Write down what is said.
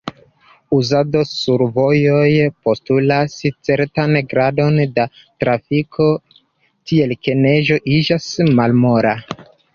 Uzado sur vojoj postulas certan gradon da trafiko, tiel ke neĝo iĝas malmola.